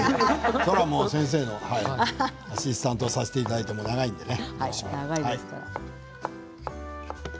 先生たちのアシスタントをさせていただいて、長いのでね。